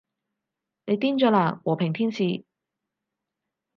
你癲咗喇，和平天使